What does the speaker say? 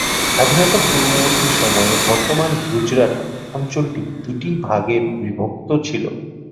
স্বাধীনতা পূর্ববর্তী সময়ে বর্তমান গুজরাট অঞ্চলটি দুটি ভাগে বিভক্ত ছিল।